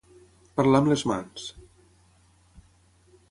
Parlar amb les mans.